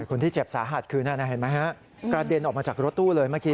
คนที่เจ็บสาหัสคือนั่นเห็นไหมฮะกระเด็นออกมาจากรถตู้เลยเมื่อกี้